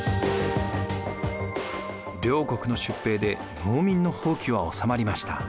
両国の出兵で農民の蜂起は収まりました。